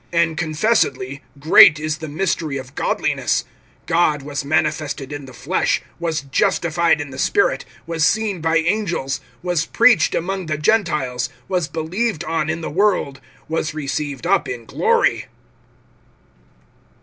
(16)And confessedly, great is the mystery of godliness; God was manifested[3:16] in the flesh, was justified in the Spirit, was seen by angels, was preached among the Gentiles, was believed on in the world, was received up in glory.